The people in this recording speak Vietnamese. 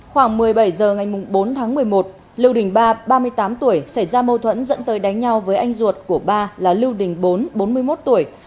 khoảng một mươi bảy h ngày bốn tháng một mươi một lưu đình ba ba mươi tám tuổi xảy ra mâu thuẫn dẫn tới đánh nhau với anh ruột của ba là lưu đình bốn bốn mươi một tuổi